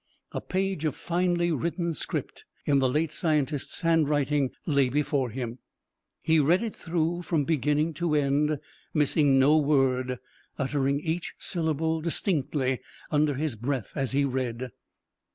A page of finely written script in the late scientist's handwriting lay before him. He read it through from beginning to end, missing no word, uttering each syllable distinctly under his breath as he read.